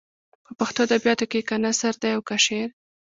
په پښتو ادبیاتو کې که نثر دی او که شعر.